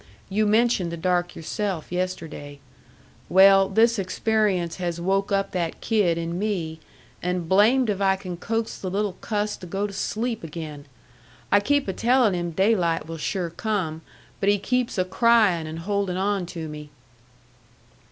You mentioned the dark yourself yesterday. Well, this experience has woke up that kid in me, and blamed if I can coax the little cuss to go to sleep again! I keep a telling him daylight will sure come, but he keeps a crying and holding on to me."